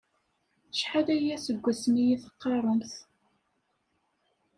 Acḥal aya seg asmi i teqqaṛemt?